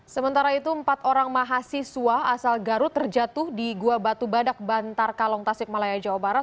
sementara itu empat orang mahasiswa asal garut terjatuh di gua batu badak bantar kalong tasik malaya jawa barat